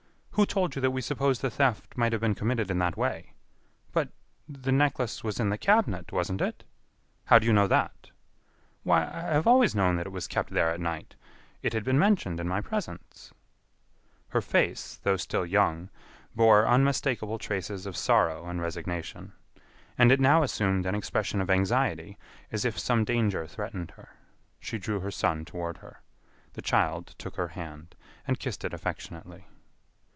"Who told you that we supposed the theft might have been committed in that way?" "But.... the necklace was in the cabinet, wasn't it?" "How do you know that?" "Why, I have always known that it was kept there at night. It had been mentioned in my presence." Her face, though still young, bore unmistakable traces of sorrow and resignation. And it now assumed an expression of anxiety as if some danger threatened her. She drew her son toward her. The child took her hand, and kissed it affectionately.